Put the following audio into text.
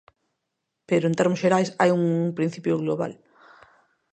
Pero, en termos xerais, hai un principio global.